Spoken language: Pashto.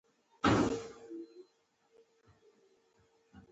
د کورنۍ مشوره د مینې نښه ده.